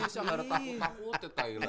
saya enggak ada takut takutnya